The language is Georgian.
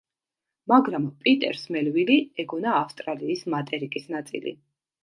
მაგრამ, პიტერს მელვილი ეგონა ავსტრალიის მატერიკის ნაწილი.